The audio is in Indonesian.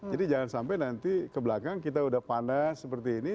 jadi jangan sampai nanti kebelakang kita udah panas seperti ini